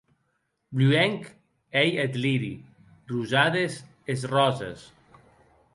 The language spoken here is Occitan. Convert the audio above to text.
Bluenc ei eth liri, rosades es ròses.